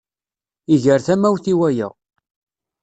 Iger tamawt i waya.